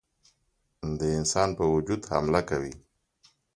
د انسان په وجود حمله کوي.